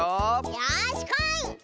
よしこい！